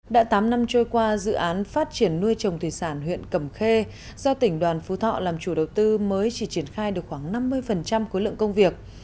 đã tám năm trôi qua dự án phát triển nuôi trồng thủy sản huyện cầm khê do tỉnh đoàn phú thọ làm chủ đầu tư mới chỉ triển khai được khoảng năm mươi khối lượng công việc